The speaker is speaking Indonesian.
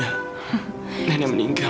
nenek udah mendinggal